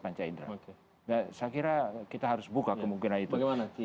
panca indera saya kira kita harus buka kemungkinan itu bagaimana sih kusumo